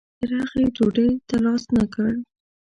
تر هغې یې ډوډۍ ته لاس نه کړ.